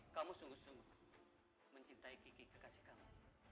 kamu sungguh sungguh mencintai kiki kekasih kamu